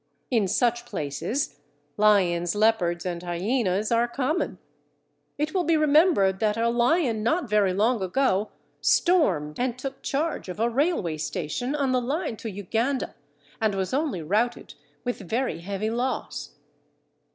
In such places lions, leopards, and hyenas are common. It will be remembered that a lion not very long ago stormed and took charge of a railway station on the line to Uganda, and was only routed with very heavy loss.